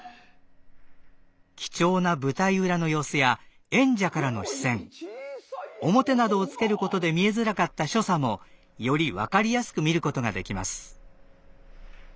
貴重な舞台裏の様子や演者からの視線面などをつけることで見えづらかった所作もより分かりやすく見ることができます。